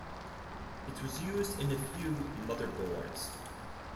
It was used in a few motherboards.